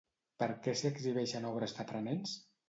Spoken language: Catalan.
Per què s'hi exhibeixen obres d'aprenents?